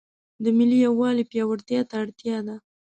د ملي یووالي پیاوړتیا ته اړتیا ده.